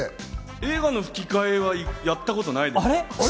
映画の吹き替えはやったことないです。